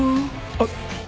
あっ。